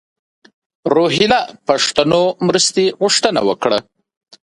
روهیله پښتنو مرستې غوښتنه وکړه.